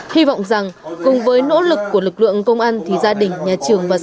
hy vọng rằng cùng với nỗ lực của lực lượng công an thì gia đình nhà trường và xã hội